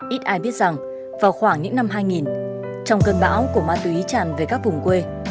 ít ai biết rằng vào khoảng những năm hai nghìn trong cơn bão của ma túy tràn về các vùng quê